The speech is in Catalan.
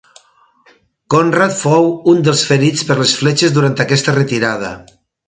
Conrad fou un dels ferits per les fletxes durant aquesta retirada.